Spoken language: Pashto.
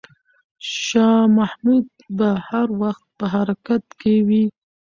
شاه محمود به هر وخت په حرکت کې وي.